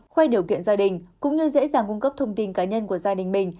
khoe điều kiện gia đình cũng như dễ dàng cung cấp thông tin cá nhân của gia đình mình